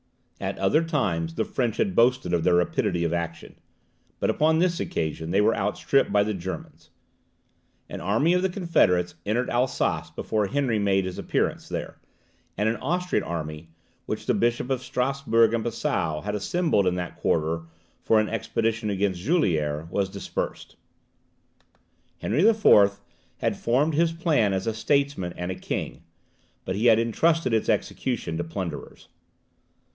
At other times, the French had boasted of their rapidity of action, but upon this occasion they were outstripped by the Germans. An army of the confederates entered Alsace before Henry made his appearance there, and an Austrian army, which the Bishop of Strasburg and Passau had assembled in that quarter for an expedition against Juliers, was dispersed. Henry IV. had formed his plan as a statesman and a king, but he had intrusted its execution to plunderers.